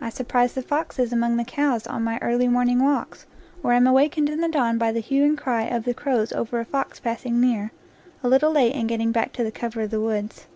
I surprise the foxes among the cows on my early morning walks, or am awakened in the dawn by the hue and cry of the crows over a fox passing near, a little late in getting back to the cover of the woods.